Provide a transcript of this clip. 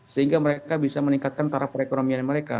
sehingga mereka bisa meningkatkan taraf perekonomian mereka